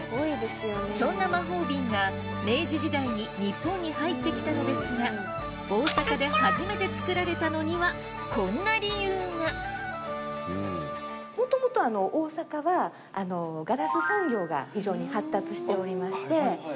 そんな魔法瓶が明治時代に日本に入ってきたのですが大阪で初めて作られたのにはこんな理由がもともと大阪はガラス産業が非常に発達しておりまして。